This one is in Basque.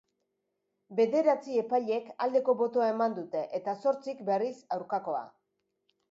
Bederatzi epailek aldeko botoa eman dute eta zortzik, berriz, aurkakoa.